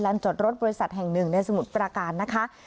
จอดรถบริษัทแห่งหนึ่งในสมุทรประการนะคะ